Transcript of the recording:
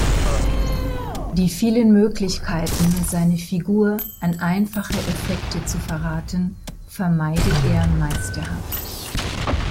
Die vielen Möglichkeiten seine Figur an einfache Effekte zu verraten, vermeidet er meisterhaft.